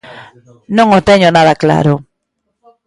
Non o teño nada claro.